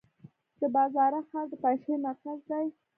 د بازارک ښار د پنجشیر مرکز دی